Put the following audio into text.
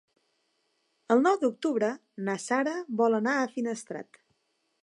El nou d'octubre na Sara vol anar a Finestrat.